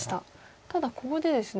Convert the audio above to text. ただここでですね